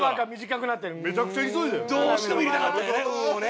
どうしても入れたかったんやね